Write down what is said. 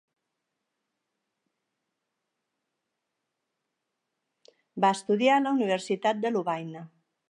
Va estudiar a la universitat de Lovaina.